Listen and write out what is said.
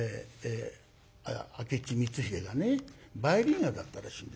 明智光秀がねバイリンガルだったらしいんですよ。